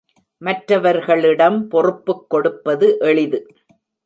மற்றவர்களிடம் பொறுப்புக் கொடுப்பது எளிது.